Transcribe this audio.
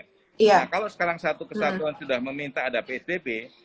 nah kalau sekarang satu kesatuan sudah meminta ada psbb